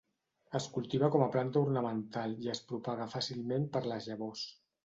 Es cultiva com planta ornamental i es propaga fàcilment per les llavors.